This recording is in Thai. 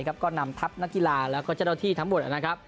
ก็นำทัพนักกีฬาแล้วก็เจ้าหน้าที่ทั้งหมดนะครับ